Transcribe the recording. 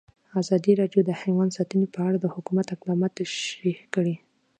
ازادي راډیو د حیوان ساتنه په اړه د حکومت اقدامات تشریح کړي.